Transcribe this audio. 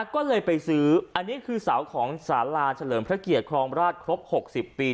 ก็เลยไปซื้ออันนี้คือเสาของสาราเฉลิมพระเกียรติครองราชครบ๖๐ปี